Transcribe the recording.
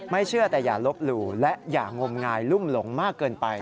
เชื่อแต่อย่าลบหลู่และอย่างมงายลุ่มหลงมากเกินไป